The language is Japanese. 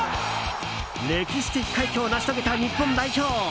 歴史的快挙を成し遂げた日本代表。